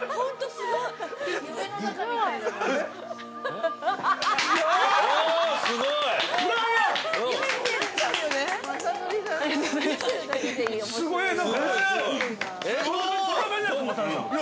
◆すごい！